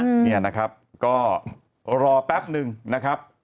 เนี่ยนะครับก็รอแป๊บนึงนะครับ